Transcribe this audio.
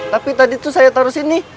tapi tadi tuh saya taruh sini